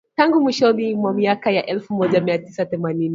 Tangu mwishoni mwa miaka ya elfumoja miatisa themanini